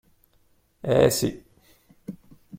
Eh si.